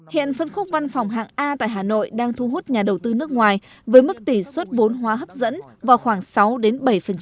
hiện phân khúc văn phòng hạng a tại hà nội đang thu hút nhà đầu tư nước ngoài với mức tỷ suất bốn hóa hấp dẫn vào khoảng sáu bảy